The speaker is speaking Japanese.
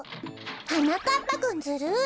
はなかっぱくんずるい！